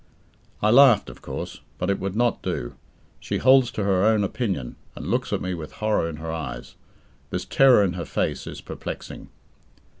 I laughed, of course, but it would not do. She holds to her own opinion, and looks at me with horror in her eyes. This terror in her face is perplexing.